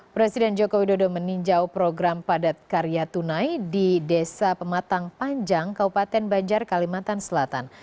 presiden joko widodo meninjau program padat karya tunai di desa pematang panjang kabupaten banjar kalimantan selatan